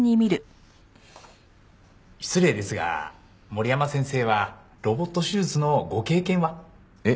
失礼ですが森山先生はロボット手術のご経験は？えっ？